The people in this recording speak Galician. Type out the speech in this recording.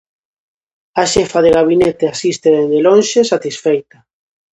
A xefa de gabinete asiste dende lonxe, satisfeita.